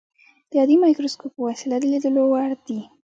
د عادي مایکروسکوپ په وسیله د لیدلو وړ دي.